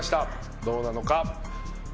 どうなのか。